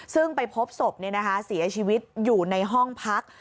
ซึ่งไปพบศพเสียชีวิตอยู่ในห้องพัก